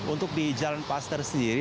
untuk di jalan paster sendiri